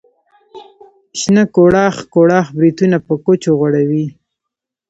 شنه کوړاخ کوړاخ بریتونه په کوچو غوړوي.